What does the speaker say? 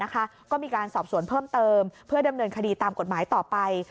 ก็มีการสอบสวนเพิ่มเติมเพื่อดำเนินคดีตามกฎหมายต่อไป